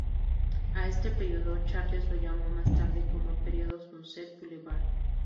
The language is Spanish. A este período, Charles lo llamó más tarde como el "periodo Sunset Boulevard".